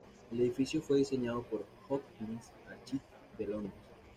El edificio fue diseñado por Hopkins Architects de Londres.